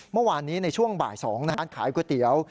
เมื่อวานนี้ในช่วงบ่าย๒ขายก๋วยเตี๋ยว